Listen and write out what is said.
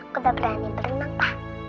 aku udah berani berenang pak